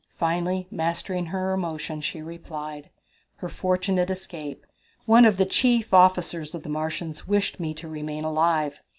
Finally mastering her emotion, she replied: Her Fortunate Escape. "One of the chief officers of the Martians wished me to remain alive.